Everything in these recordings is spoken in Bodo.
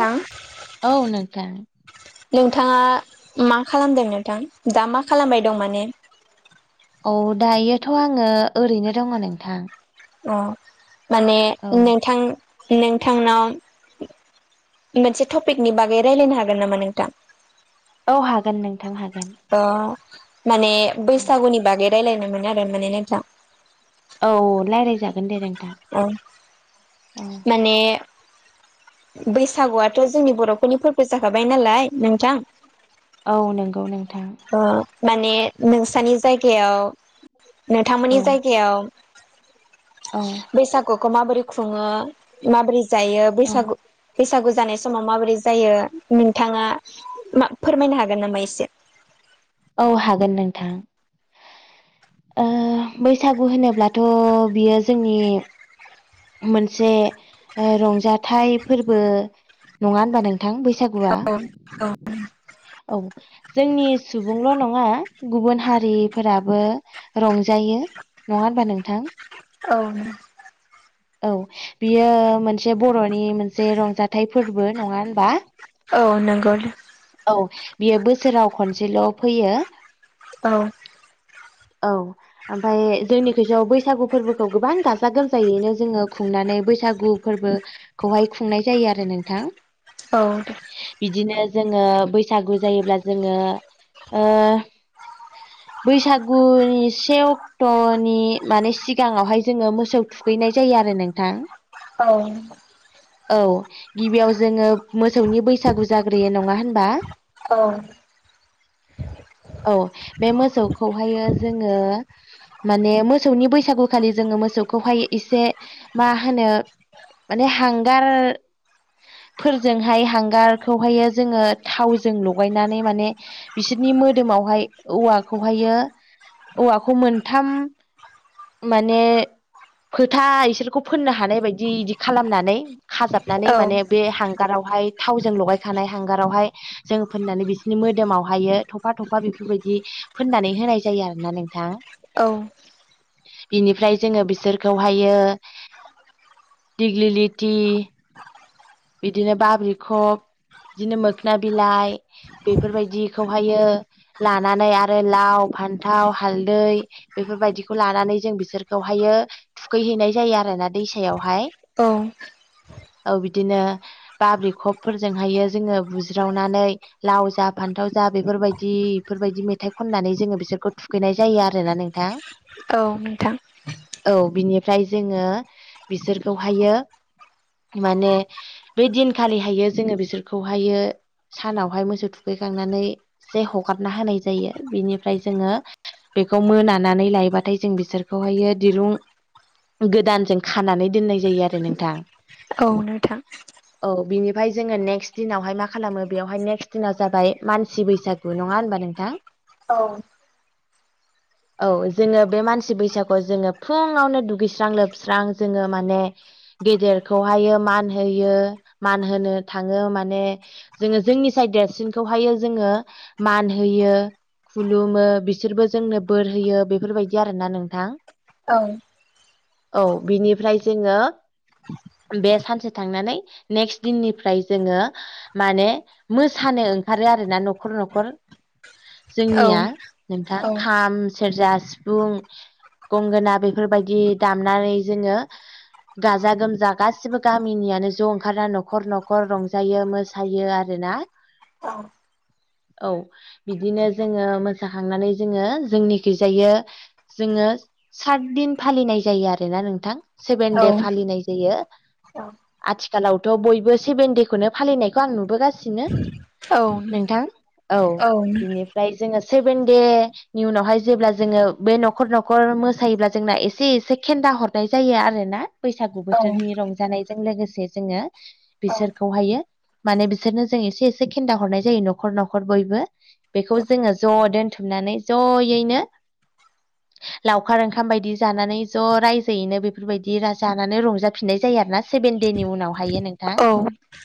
थां औ नोंथां नोंथाङा मा खालामदों नोंथां दा मा खालामबाय दं माने? औ दायोथ' आङो ओरैनो दङ नोंथां। अ माने औ नोंथां नोंथांनाव मोनसे टपिकनि बागै रायलायनो हागोन नामा नोंथां? औ हागोन नोंथां हागोन। अ माने बैसागुनि बागै रायलायनोमोन आरो माने नोंथां। औ रायलायजागोन दे औ माने बैसागुआथ' जोंनि बर'फोरनि फोर्बो जाखाबाय नालाय नोंथां औ नोंगौ नोंथां। ओ माने नोंसानि जायगायाव औ नोंथांमोननि जायगायाव औ बैसागुखौ माबोरै खुङो माबोरै जायो औ बैसागु बैसागु जानाय समाव माबोरै जायो नोंथाङा मा फोरमायनो हागोन नामा एसे? औ हागोन नोंथां। ओ बैसागु होनोब्लाथ' बियो जोंनि मोनसे ओ रंजाथाइ फोर्बो नङा होनबा नों थां बैसागुआ औ जोंनि सुबुंल' नङा गुबुन हारिफोराबो रंजायो नङा होनबा नोंथां? औनो औ बियो मोनसे बर'नि मोनसे रंजाथाइ फोरबो नङा होनबा? औ नोंगौ दे। औ बियो बोसोराव खनसेल' फैयो। औ। औ। ओमफाय जोंनि खैसोआव बैसागु फोर्बोखौ गोबां गाजा गोमजायैनो जोङो खुंनानै बैसागु फोर्बो खौहाय खुंनाय जायो आरो नोंथां। औ दे। बिदिनो जोङो बैसागु जायोब्ला जोङो ओ बैसाग गुनि से अक्ट'नि माने सिगाङावहाय जोङो मोसौ थुखैनाय जायो आरो नों थां। औ औ गिबियाव जोङो मोसौनि बैसागु जाग्रोयो नङा होनबा? औ औ बे मोसौखौहायो जोङो माने मोसौनि बैसागुखालि जोङो मोसौखौहाय एसे मा होनो? माने हांगार फोरजोंहाय हांगारखौहायो जोङो थावजों लगायनानै माने बिसोरनि मोदोमावहाय औवाखौहायो औवाखौ मोनथाम माने फोथा इसोरखौ फोननो हानाय बायदि इदि खालामनानै खाजाबनानै औ माने बे हांगारावहाय थावजों लगायखानाय हांगारावहाय जोङ फोननानै बिसोरनि मोदोमाव हायो थफा थफा बेफोरबायदि फोननानै होनाय जायो आरो ना नोंथां। औ बिनिफ्राय जोङो बिसोरखौहायो दिग्लिलिति बिदिनो बाब्रिखब बिदिनो मोख्ना बिलाइ बेफोरबायदिखौहायो लानानै आरो लाव फान्थाव हालदै बेफोरबायदिखौ लानानै जों बिसोरखौहायो थुखैहैनाय जायो आरो ना दैसायावहाय। औ औ बिदिनो बाब्रिखबफोरजोंहायो जोङो बुज्रावनानै लाव जा फान्थाव जा बेफोरबायदि इफोरबायदि मेथाइ खननानै जोङो बिसोरखौ थुखैनाय जायो आरोना नों थां। औ नोंथां। औ बिनिफ्राय जोङो बिसोरखौहायो माने बे दिनखालिहायो जोङो बिसोरखौहायो सानावहाय मोसौ थुखैखांनानै एसे हगारना होनाय जायो। बिनिफ्राय जोङो बेखौ मोनानानै लायोबाथाय जों बिसोरखौहायो दिरुं गोदानजों खानानै दोननाय जायो आरो नोंथां। औ नोंथां। औ बिनिफ्राय जोङो नेक्स्ट दिनावहाय मा खालामो बेवहाय नेक्स्ट दिनाव जाबाय मानसि बैसाग नङा होनबा नोंथां। औ। औ जोङो बे मानसि बैसागु जोङो फुङावनो दुगैस्रां-लोबस्रां जोङो माने। गेदेरखौहायो मान होयो मान होनो थाङो माने। जोङो जोंनिसाय देरसिनखौहायो जोङो मान होयो। खुलुमो बिसोरबो जोंनो बोर होयो बेफोरबायदि आरोना नोंथां। औ। औ बिनिफ्राय जोङो बे सानसे। थांनानै नेकस्ट दिननिफ्राय जोङो। माने मोसानो ओंखारो आरो ना न'खर न'खर औ जोंनिया नोंथां औ खाम सेरजा सिफुं गंगोना बेफोरबायदि दामनानै जोङो गाजा गोमजा गासिबो गा मिनियानो ज' ओंखारा न'खर न'खर रंजायो मोसायो आरोना। औ बिदिनो जोङो मोसाखांनानै जोङो जोंनिखैजायो जोङो सात दिन फालिनाय जायो आरोना नोंथां सेभेन औ दे फालिनाय जायो। आथिखालावथ' बयबो सेभेन देखौनो फालिनायखौ आं नुबोगासिनो। औ। नोंथां औ बिनिफ्राय जोङो सेबेन दे। नि उनावहाय जेब्ला जोङो बे न'खर-न'खर मोसायोब्ला जोंना एसे- एसे खेन्दा हरनाय जायो आरोना। बैसागु बोथोरनि रंजानायजों लोगोसे जोङो। बिसोरखौहायो माने बिसोरनो जों एसे-एसे खेन्दा हरनाय जायो न'खर-न'खर बयबो। बेखौ जोङो ज' दोनथुमनानै ज'यैनो। लावखार ओंखाम बायदि जानानै ज' रायजोयैनो बेफोरबायदि जानानै रंजाफिननाय जायो आरो ना। सेबेन देनि उनाव हायो नोंथां।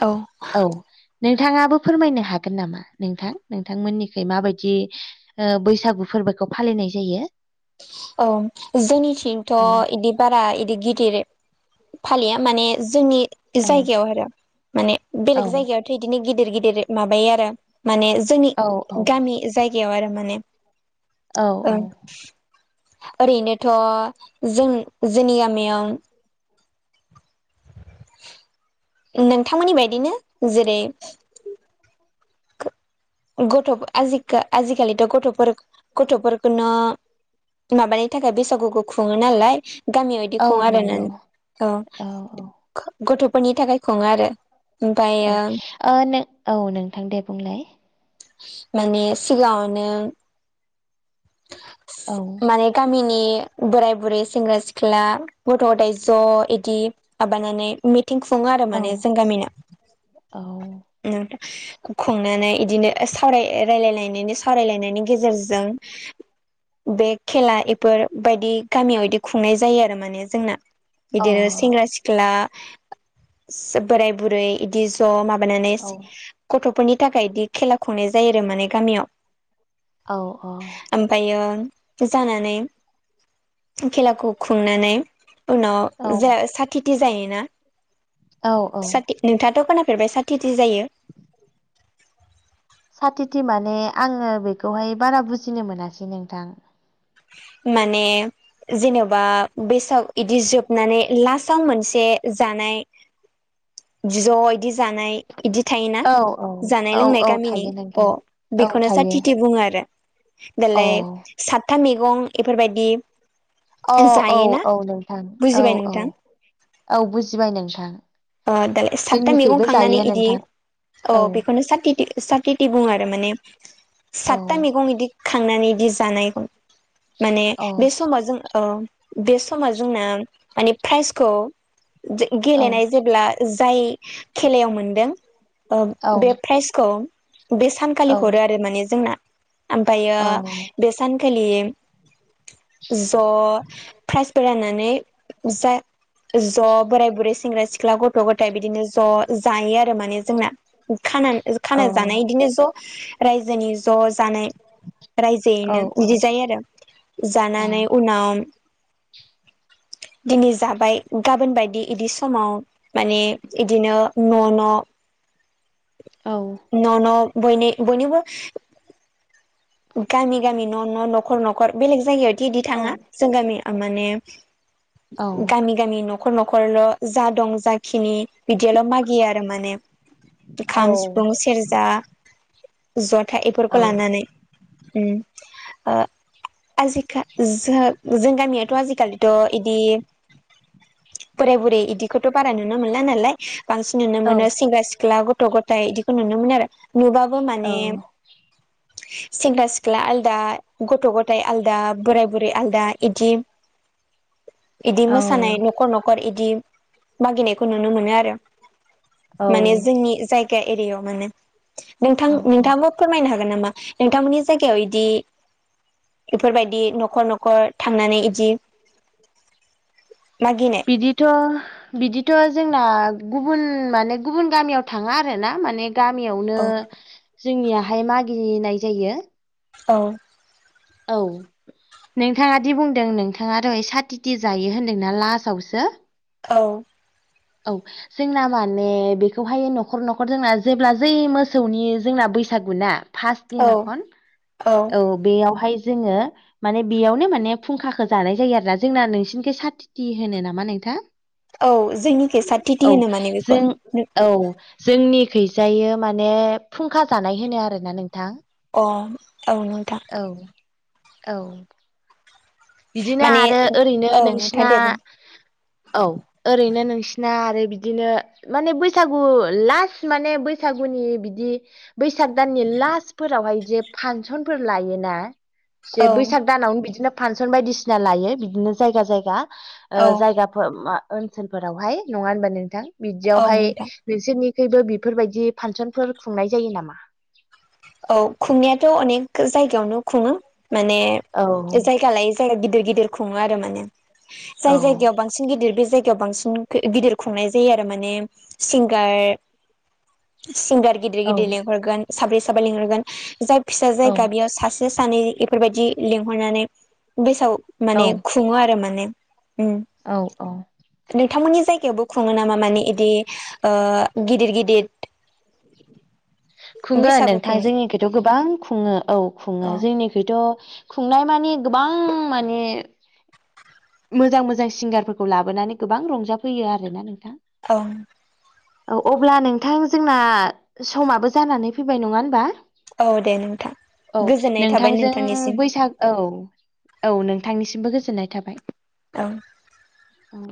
औ। औ नोंथाङाबो फोरमायनो हागोन नामा नोंथां? नोंथांमोननिखै माबायदि ओ बैसागु फोरबोखौ फालिनाय जायो। औ जोंनि जोंनिथिंथ' औ इदिब। बारा इदि गिदिर फालिया माने जोंनि। औ जायगायाव आरो माने औ बेलेग जायगायावथ' इदिनो गिदिर-गिदिर माबायो आरो। माने जोंनि औ गामि जायगायाव आरो माने। औ-औ। ओं ओरैनोथ' जों जोंनि गामियाव। नोंथांमोननि बायदिनो जेरै। गथ' आजिखा-आजिखालिथ' गथ'फोर-गथ'फोरखौनो। माबानि थाखाय बैसागुखौ खुङो नालाय। गामियाव इदि औ खुङा आरो ना नंगौ औ गथ'फोरनि थाखाय खुङो आरो। औ ओमफ्रायो ओ नों औ नोंथां दे बुंलाय। माने सिगाङावनो। औ माने। गामिनि बोराय-बुरै, सेंग्रा- सिख्ला, गथ'-गथाय ज' इदि। माबानानै मिथिं खुङो आरो औ माने जों गामिना औ ओम। खुंनानै बिदिनो सावराय रायलायायनायनि, सावरायलायनायनि गेजेरजों। बे खेला इफोरबायायदि गामियाव बिदि खुंनाय जायो आरो माने जोंना। अ इदिनो सेंग्रा-सिख्ला, बोराय-बुरै इदि। ज' माबानानै औ गथ'फोरनि थाखाय बिदि खेला खुंनाय जायो आरो माने गामियाव। औ-औ। ओमफायो जानानै खेलाखौ खुंनानै। उनाव औ ज' सातिति जायोना औ औ साति। नोंथाङा थ' खोनाफेरबाय साथिथि जायो। साथिथि माने आङो बेखौहाय बारा बुजिनो मोनासै नोंथां। माने जेनेबा बेसाव बिदि जोबनानै लास्टाव मोनसे जानाय ज' इदि जानाय इदि थायोना औ औ जानाय औ लोंनाय औ गामिनि थायो अ नोंथां औ बेखौनो थायो साथिथि बुङो आरो। दालाय अ सातथा मैगं एफोरबायदि अ औ जायो ना औ नोंथां औ बुजिबाय औ नोंथां? औ बुजिबाय नोंथां अ दालाय सातता जोंनिखैबो मैगं जायो खांनानै इदि। नोंथां अ औ बेखौनो साति-सातिति बुङो आरो माने औ सातथा मैगं इदि। खांनानै इदि जानायखौ। माने औ बे समाव जों अ बे समाव जोंना। माने प्राइजखौ औ गेलेनाय जेब्ला जाय खेलायाव मोनदों। अ औ बे प्राइजखौ बे औ सानखालि हरो आरो माने जोंना। आमफायो औ बे सानखालि। ज' प्राइजबो राननानै जा। ज' बोराय बुरै सेंग्रा सिख्ला गथ' गथाइ बिदिनो ज' जायो आरो माने जोंना। खाना औ खाना जानाय इदिनो ज' रायजोनि ज' जानाय। औ रायजोयैनो बिदि जायो आरो जानानै उनाव दिनै जाबाय गाबोन बायदि बिदि समाव माने इदिनो न' न' औ। न' न' बयनि बयनिबो गामि गामि न' न' न'खर न'खर बेलेग जायगायावथ' बिदि औ थाङा जों गामिया माने गामि गामि न'खर न'खरल' जा दं जाखिनि बिदियाल' मागियो आरो माने। खाम सिफुं सेरजा जथा बेफोरखौ लानानै। उम ओ आजिखा जो जों गामियाथ' आजिखालि थ' इदि बोराय बुरै इदिखौथ' बारा नुनो मोनला नालाय बांसिन नुनो मोनो सेंग्रा सि ख्ला गथ' गथाइ इदिखौ नुनो मोनो आरो नुबाबो माने सेंग्रा सिख्ला आ लदा गथ' गथाय आलदा बोराय बुरै आलदा इदि इदि औ मोसानाय न'खर न'खर इदि मागिनायखौ नुनो मोनो आरो। माने जोंनि जायगा एरियायाव माने नोंथां औ नोंथांङाबो फोरमायनो हागोन नामा नोंथांमोननि जायगायाव इदि बेफोरबायदि न'खर न'खर थांनानै इदि मागिनाय बिदिथ' बिदिथ' जोंना गुबुन माने गुबुन गामियाव थांङा आरो ना माने गामियावनो औ जोंनियाहाय मागिनाय जायो। औ। औ। नोंथाङा दि बुंदों नोंथाङा दहाय साथिथि जायो होनदोंना लास्टावसो? औ। औ। जोंना माने बेखौहाय न'खर न'खर जोंना जेब्ला जै मोसौनि जोंना बैसागु ना फार्स्ट औ दिनाखन औ बेयावहाय जोङो माने बेयावनो माने फुंखाखौ जानाय जायो आरोना जोंना नोंसिनिखै साथिथि होनो नामा नोंथां? औ जोंनिखै औ सातथिथि होनो माने जों बेखौ। औ जोंनि खैजायो माने फुंखा जानाय होनो आरोना नोंथां। अ औ नोंथां। औ औ। बिदिनो माने आरो ओरैनो औ नोंथां नोंसिना दे बुं औ ओरैनो नोंसिना आरो बिदिनो माने बैसागु लास्ट माने बैसागुनि बिदि बैसाग दाननि लास्टफोरावहाय जे फांसनफोर लायोना। जे औ बैसाग दानावनो बिदिनो फानसन बायदिसिना लायो बिदिनो जायगा जायगा। औ जायगाफोर मा ओनसोलफोरावहाय नङा होनबा नोंथां औ बिदियावहाय नोंथां नोंसोरनिखैबो बेफोरबायदि फानसनफोर खुंनाय जायो नामा? औ खुंनायाथ' अनेक जायगायावनो खुङो माने औ जायगा लायै जायगा गिदिर गिदिर खुंङो आरो माने औ जाय जायगायाव बां सिन गिदिर बे जायगायाव बांसिन गिदिर खुंनाय जायो आरो माने सिंगार सिंगार गिदिर औ गिदिर लिंहरगोन साब्रै साब्रै लिंहरगोन जाय फिसा औ जायगा बेयाव सासे सानै बेफोरबायदि लिंहरनानै बैसगु औ माने सुङो आरो माने ओम। औ औ। नोंथांमोननि जायगायावबो खुङो नामा माने इदि ओ गिदिर गिदिर खुङो बैसागुखौ नोंथां जोंनिखैथ' गोबां खुङो औ खुङो औ जों जोंनिखैथ' खुंनाय मानि गोबां माने मोजां मोजां सिंगारफोरखौ लाबोनानै गोबां रंजाफैयो आरोना नोंथां। औ। औ अब्ला नोंथां जोंना समाबो जानानै फैबाय नङा होनबा। औ दे नोंथां औ गोजोननाय थाबाय नोंथांजों नोंथांनिसिम बैसाग औ। औ नोंथांनिसिमबो गोजोननाय थाबाय। औ। औ।